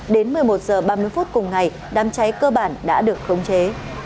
đến một mươi một h ba mươi phút cùng ngày đám cháy cơ bản đã được khống chế